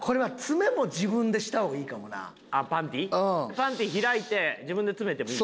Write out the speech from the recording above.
パンティ開いて自分で詰めてもいい。